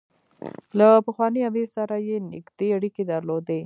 له پخواني امیر سره یې نېږدې اړیکې درلودې.